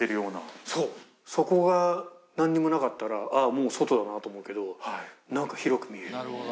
そこがなんにもなかったら、ああ、もう外だなと思うけど、なんか広く見える。